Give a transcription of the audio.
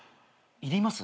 いります？